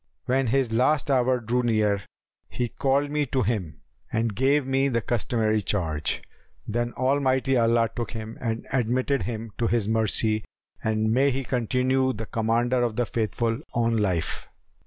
When his last hour drew near, he called me to him and gave me the customary charge; then Almighty Allah took him and admitted him to His mercy and may He continue the Commander of the Faithful on life!